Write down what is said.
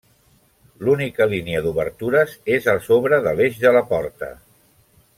L'única línia d'obertures és a sobre de l'eix de la porta.